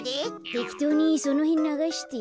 てきとうにそのへんながしてよ。